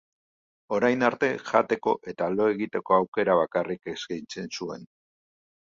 Orain arte, jateko eta lo egiteko aukera bakarrik eskaintzen zuen.